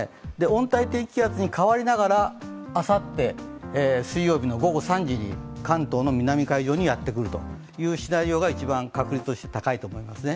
温帯低気圧に変わりながらあさって水曜日の午後３時に関東の南海上にやってくるというシナリオが一番、確率として高いと思います。